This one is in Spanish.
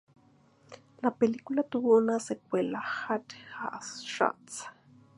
La película tuvo una secuela, "Hot Shots!